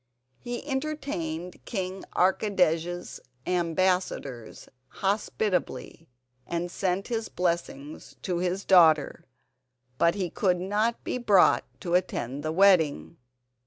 He entertained King Archidej's ambassadors hospitably, and sent his blessing to his daughter, but he could not be brought to attend the wedding.